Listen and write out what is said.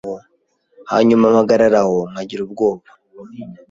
Hanyuma mpagarara aho nkagira ubwoba